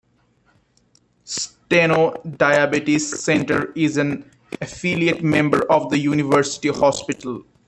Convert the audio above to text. Steno Diabetes Center is an affiliate member of the University Hospital.